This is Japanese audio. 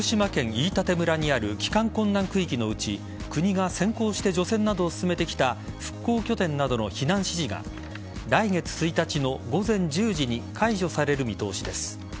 飯舘村にある帰還困難区域のうち国が先行して除染などを進めてきた復興拠点などの避難指示が来月１日の午前１０時に解除される見通しです。